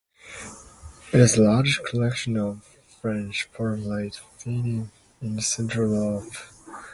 It is the largest collection of French portrait paintings in Central Europe.